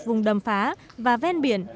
vùng đầm phá và ven biển